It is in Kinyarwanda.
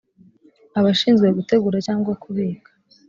abashinzwe gutegura cyangwa kubika